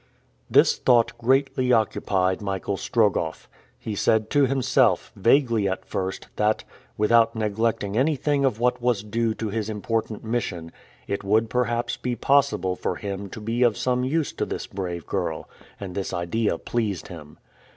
This thought greatly occupied Michael Strogoff. He said to himself, vaguely at first, that, without neglecting anything of what was due to his important mission, it would perhaps be possible for him to be of some use to this brave girl; and this idea pleased him.